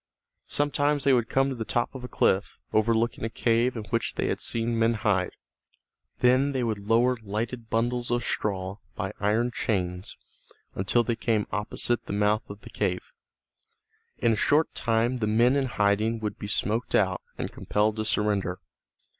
Sometimes they would come to the top of a cliff, overlooking a cave in which they had seen men hide. Then they would lower lighted bundles of straw by iron chains until they came opposite the mouth of the cave. In a short time the men in hiding would be smoked out, and compelled to surrender.